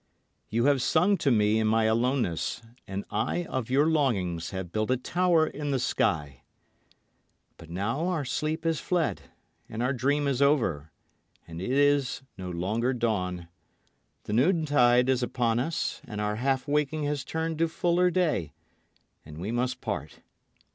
You have sung to me in my aloneness, and I of your longings have built a tower in the sky. But now our sleep has fled and our dream is over, and it is no longer dawn. The noontide is upon us and our half waking has turned to fuller day, and we must part.